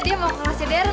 dia mau kelasnya darren